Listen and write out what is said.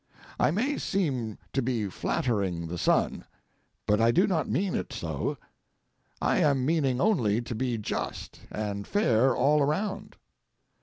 I may seem to be flattering the sun, but I do not mean it so; I am meaning only to be just and fair all around.